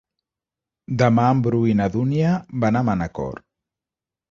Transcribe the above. Demà en Bru i na Dúnia van a Manacor.